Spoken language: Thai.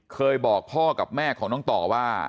เคยบอกพ่อกับแม่ของน้องต่อว่า